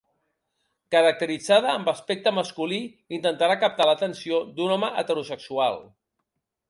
Caracteritzada amb aspecte masculí, intentarà captar l'atenció d'un home heterosexual.